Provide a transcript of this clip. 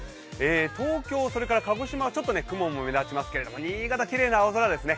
東京、鹿児島は雲も目立ちますけれども、新潟、きれいな青空ですね。